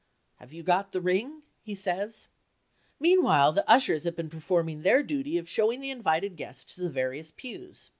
"Have you got the ring?" he says. Meanwhile the ushers have been performing their duty of showing the invited guests to the various pews.